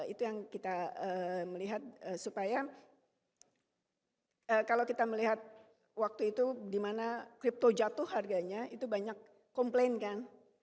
itu yang kita melihat supaya kalau kita melihat waktu itu dimana crypto jatuh harganya itu banyak komplain kan